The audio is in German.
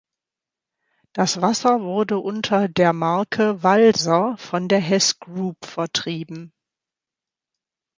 Das Wasser wurde unter der Marke «Valser» von der Hess Group vertrieben.